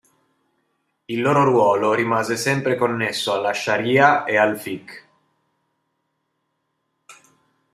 Il loro ruolo rimane sempre connesso alla "sharīʿa" e al "fiqh".